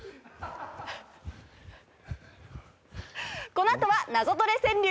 このあとは「ナゾトレ川柳」。